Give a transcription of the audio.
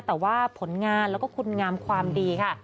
แต่ว่าผลงานแล้วก็คุณงามความดีค่ะ